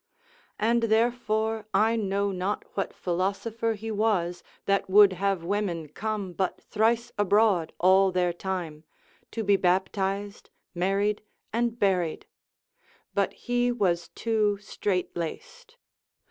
And therefore I know not what philosopher he was, that would have women come but thrice abroad all their time, to be baptised, married, and buried; but he was too strait laced.